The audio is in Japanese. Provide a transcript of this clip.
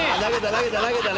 投げた投げた。